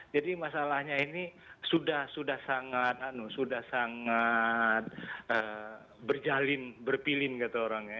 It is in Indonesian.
jadi masalahnya ini sudah sangat berjalin berpilin gitu orangnya